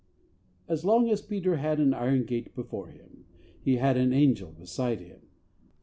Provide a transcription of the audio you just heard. II As long as Peter had an iron gate before him, he had an angel beside him.